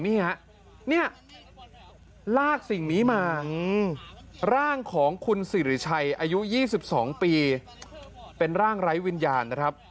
นี่ฮะเนี่ยลากสิ่งนี้มาร่างของคุณสิริชัยอายุ๒๒ปีเป็นร่างไร้วิญญาณนะครับ